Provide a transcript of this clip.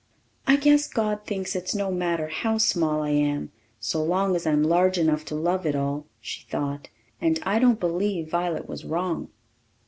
"I guess God thinks it's no matter how small I am, so long as I'm large enough to love it all," she thought; and I don't believe Violet was wrong.